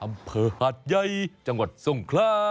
ห่ำเพอร์หาดใหญ่จังหวัดสรุ่งขลา